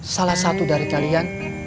salah satu dari kalian